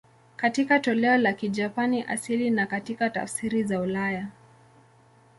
Katika toleo la Kijapani asili na katika tafsiri za ulaya.